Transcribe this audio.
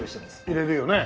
入れるよね